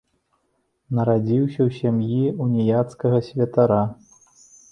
Нарадзіўся ў сям'і уніяцкага святара.